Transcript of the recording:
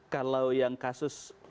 kalau yang kasus